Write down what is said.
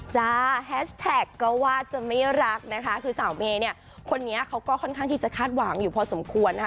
จ้าแฮชแท็กก็ว่าจะไม่รักนะคะคือสาวเมย์เนี่ยคนนี้เขาก็ค่อนข้างที่จะคาดหวังอยู่พอสมควรนะคะ